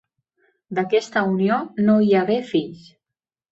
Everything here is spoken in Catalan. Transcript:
D'aquesta unió no hi hagué fills.